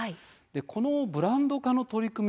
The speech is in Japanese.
このブランド化の取り組み